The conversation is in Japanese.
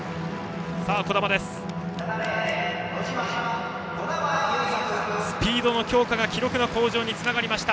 児玉悠作、スピードの強化が記録の向上につながりました。